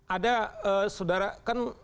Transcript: ada saudara kan